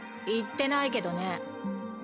言ってないけどね